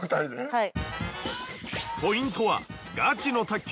はい。